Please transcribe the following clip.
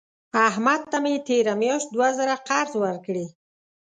احمد ته مې تېره میاشت دوه زره قرض ورکړې.